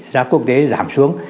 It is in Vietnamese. giá quốc tế giảm xuống